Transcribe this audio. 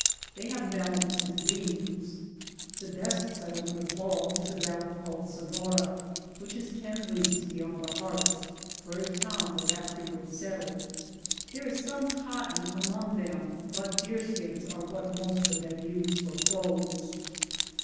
They have melons and beans. The best settlement of all is a valley called Sefiora, which is 10 leagues be yond the Hearts, where a town was afterward settled. There is some cotton among these, hut deer skins are what most of them use for clothes.